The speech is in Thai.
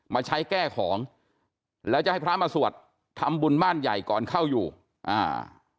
มาใช้แก้ของแล้วจะให้พระมาสวดทำบุญบ้านใหญ่ก่อนเข้าอยู่อ่า